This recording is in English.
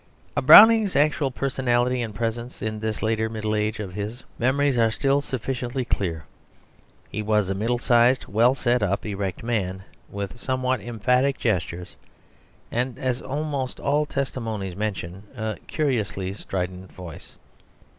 Of Browning's actual personality and presence in this later middle age of his, memories are still sufficiently clear. He was a middle sized, well set up, erect man, with somewhat emphatic gestures, and, as almost all testimonies mention, a curiously strident voice.